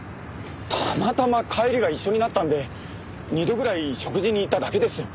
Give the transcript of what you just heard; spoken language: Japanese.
たまたま帰りが一緒になったので２度ぐらい食事に行っただけです。